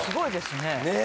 ねえ。